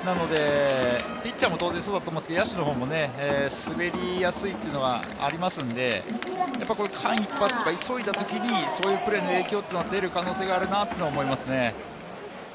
ピッチャーも当然そうだと思うんですが、野手の方も滑りやすいというのはありますんで、間一髪とか、急いだときにそういうプレーの影響っていうのは出る可能性があるなと思いますね。